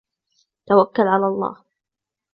توكل على الله.